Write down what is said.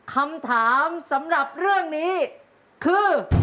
คำถามสำหรับเรื่องนี้คือ